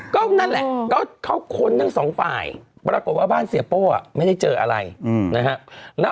ก็นั่นแหละก็เขาค้นทั้งสองฝ่ายปรากฏว่าบ้านเสียโป้ไม่ได้เจออะไรนะฮะ